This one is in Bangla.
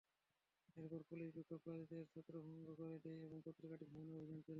এরপরই পুলিশ বিক্ষোভকারীদের ছত্রভঙ্গ করে দেয় এবং পত্রিকাটির ভবনে অভিযান চালায়।